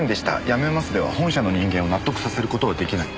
やめます」では本社の人間を納得させる事はできない。